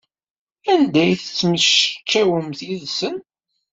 Anda ay temmectcawemt yid-sen?